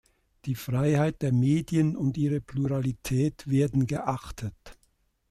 Die Freiheit der Medien und ihre Pluralität werden geachtet."